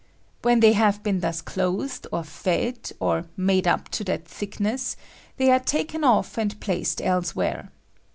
"When they have been thus clothed, or fed, or made up to that thicknesg, they are taken off and placed elsewhere.